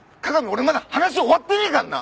俺まだ話終わってねえからな！